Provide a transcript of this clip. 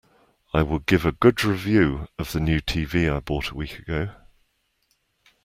I would give a good review of the new TV I bought a week ago.